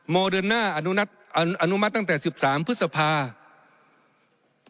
โมเดนนะอนุมัติตั้งแต่๑๓พฤษภาคม